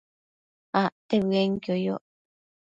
Acte bëenquio yoc